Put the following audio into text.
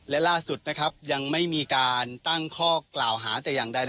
และล่าสุดนะครับยังไม่มีการตั้งข้อกล่าวหาแต่อย่างใด